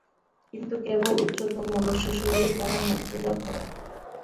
কিন্তু কেবল উচ্চতম মনুষ্যশরীরেই তাহার মুক্তিলাভ হয়।